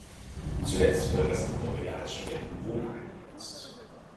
Zuletzt wurde das Gebäude als Studentenwohnheim genutzt.